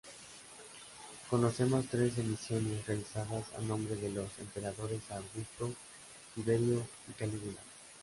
Conocemos tres emisiones realizadas a nombre de los emperadores Augusto, Tiberio y Calígula.